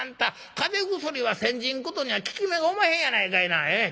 風邪薬は煎じんことには効き目がおまへんやないかいな。